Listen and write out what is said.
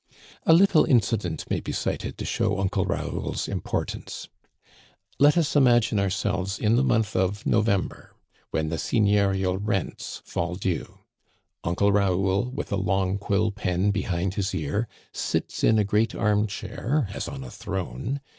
A little incident may be cited to show Uncle Raoul's importance. Let us imagine ourselves in the month of November, when the seigneurial rents fall due. Uncle Raoul, with a long quill pen behind his ear, sits in a great armchair as on a throne.